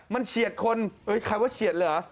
มันเฉียดคนเอ้ยใครว่าเฉียดเลยเหรอ